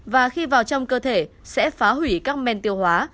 và khi vào trong cơ thể sẽ phá hủy các men tiêu hóa